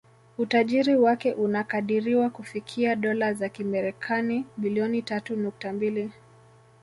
Utajiri wake unakadiriwa kufikia Dola za kimarekani bilioni tatu nukta mbili